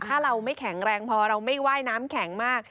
ถ้าเราไม่แข็งแรงพอเราไม่ว่ายน้ำแข็งมาก